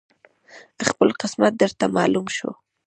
خپل قسمت درته معلوم شو